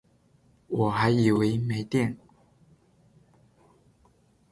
我还以为没电